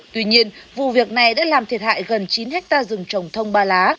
tuy nhiên vụ việc này đã làm thiệt hại gần chín hectare rừng trồng thông ba lá